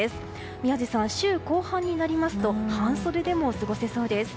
宮司さん、週後半になりますと半袖でも過ごせそうです。